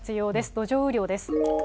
土壌雨量です。